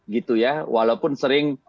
gitu ya walaupun sering